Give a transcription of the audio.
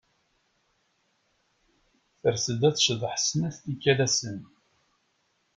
Ters-d ad tecḍeḥ snat tikal ass-n.